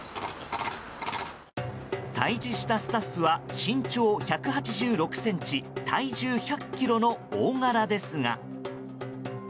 対峙したスタッフは身長１８６ｃｍ体重１００ｋｇの大柄ですが。